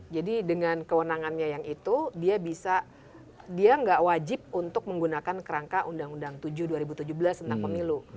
jadi dengan kewenangannya yang itu dia bisa dia enggak wajib untuk menggunakan kerangka undang undang tujuh dua ribu tujuh belas tentang pemilu